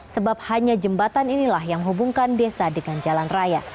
sebab hanya jembatan inilah yang hubungkan desa dengan jalan raya